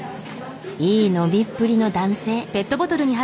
いい飲みっぷりの男性。